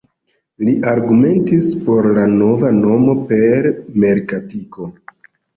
Li argumentis por la nova nomo per merkatiko.